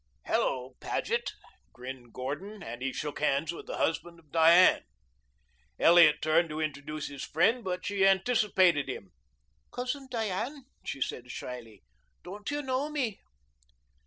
"Hello, Paget!" grinned Gordon, and he shook hands with the husband of Diane. Elliot turned to introduce his friend, but she anticipated him. "Cousin Diane," she said shyly. "Don't you know me?"